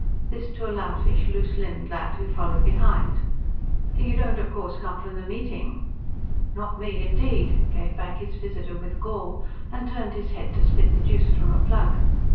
this to a loutish, loose limbed lad who followed behind. "You don't of course come from the meeting?" "Not me, indeed!" gave back his visitor with gall, and turned his head to spit the juice from a plug.